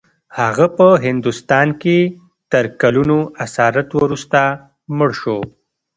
هغه په هندوستان کې تر کلونو اسارت وروسته مړ شو.